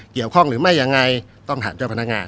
เกี่ยวข้องหรือไม่ยังไงต้องถามเจ้าพนักงาน